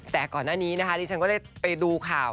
แต่ก่อนหน้านี้นะคะดิฉันก็ได้ไปดูข่าว